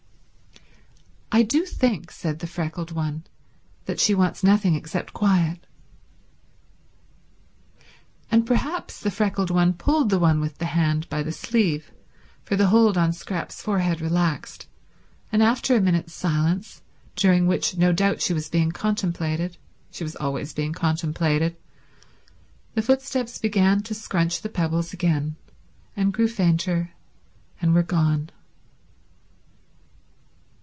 "I do think," said the freckled one, "that she wants nothing except quiet." And perhaps the freckled one pulled the one with the hand by the sleeve, for the hold on Scrap's forehead relaxed, and after a minute's silence, during which no doubt she was being contemplated—she was always being contemplated—the footsteps began to scrunch the pebbles again, and grew fainter, and were gone.